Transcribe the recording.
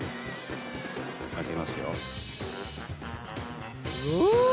開けますよ。